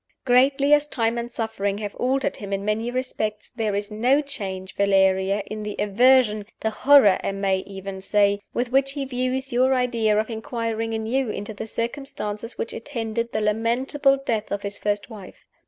"Greatly as time and suffering have altered him in many respects, there is no change, Valeria, in the aversion the horror I may even say with which he views your idea of inquiring anew into the circumstances which attended the lamentable death of his first wife.